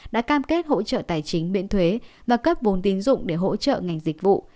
đã cam kết hỗ trợ tài chính miễn thuế và cấp vốn tín dụng để hỗ trợ ngành dịch vụ